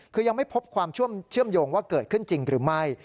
คือยังไม่พบความเชื่อมโยงว่าเกิดขึ้นจริงหรือไม่